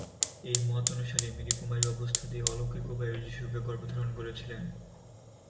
এই মত অনুসারে, মেরি কুমারী অবস্থাতেই অলৌকিক উপায়ে যিশুকে গর্ভে ধারণ করেছিলেন।